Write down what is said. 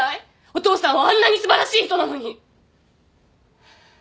お父さんはあんなに素晴らしい人なのに。